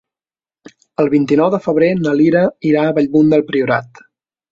El vint-i-nou de febrer na Lia irà a Bellmunt del Priorat.